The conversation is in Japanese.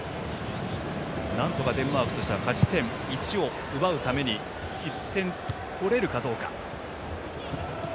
なんとかデンマークとしては勝ち点１を奪うために１点を取れるかどうか。